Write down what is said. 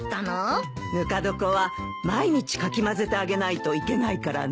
ぬか床は毎日かき混ぜてあげないといけないからね。